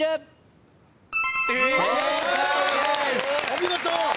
お見事！